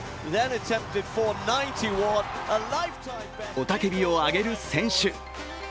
雄たけびを上げる選手。